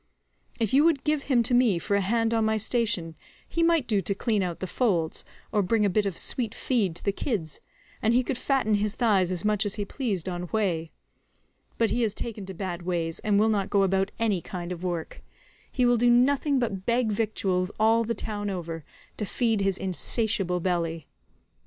If you would give him to me for a hand on my station, he might do to clean out the folds, or bring a bit of sweet feed to the kids, and he could fatten his thighs as much as he pleased on whey; but he has taken to bad ways and will not go about any kind of work; he will do nothing but beg victuals all the town over, to feed his insatiable belly.